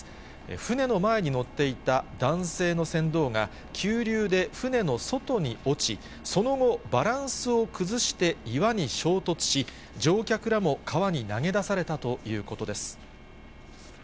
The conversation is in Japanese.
船の前に乗っていた男性の船頭が、急流で船の外に落ち、その後、バランスを崩して岩に衝突し、乗客らも川に投げ出されたということです。